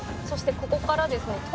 「そしてここからですね